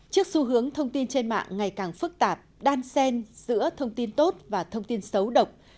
trước xu hướng thông tin trên mạng ngày càng phức tạp đan sen giữa thông tin tốt và thông tin xấu độc